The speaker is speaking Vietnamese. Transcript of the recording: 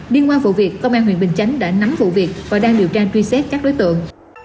liên qua vụ việc công an huyện bình chánh đã nắm vụ việc và đang điều tra truy xét các đối tượng